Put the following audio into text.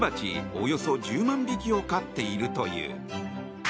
およそ１０万匹を飼っているという。